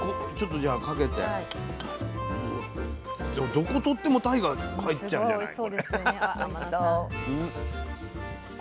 じゃあどこ取ってもたいが入っちゃうじゃないこれ。